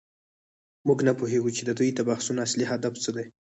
موږ نه پوهیږو چې د دې بحثونو اصلي هدف څه دی.